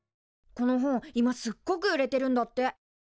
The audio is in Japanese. この本今すっごく売れてるんだって。